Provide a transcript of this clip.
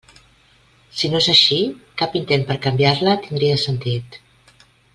Si no és així, cap intent per canviar-la tindria sentit.